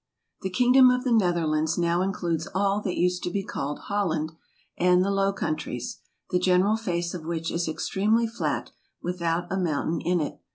The kingdom of the Netherlands now includes all that used to be called Holland, and the Low Countries; the general face of which is extremely flat, without a mountain in it.